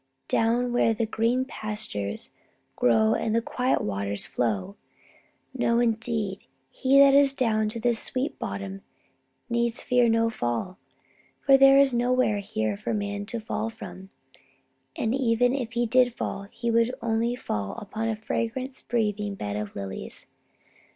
Down, where the green pastures grow and the quiet waters flow. No, indeed; he that is down into this sweet bottom needs fear no fall. For there is nowhere here for a man to fall from. And, even if he did fall, he would only fall upon a fragrance breathing bed of lilies.